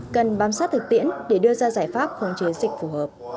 cần bám sát thực tiễn để đưa ra giải pháp khống chế dịch phù hợp